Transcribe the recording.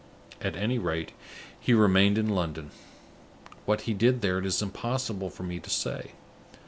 At any rate, he remained in London. What he did there, it is impossible for me to say.